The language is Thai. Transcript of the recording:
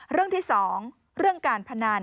เรื่องที่๒เรื่องการพนัน